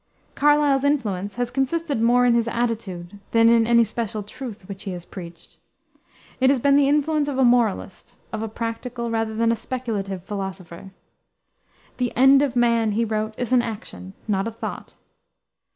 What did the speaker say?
Carlyle's influence has consisted more in his attitude than in any special truth which he has preached. It has been the influence of a moralist, of a practical, rather than a speculative, philosopher. "The end of man," he wrote, "is an action, not a thought."